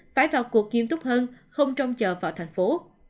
phải vào cuộc nghiêm túc hơn không trông chờ vào thành phố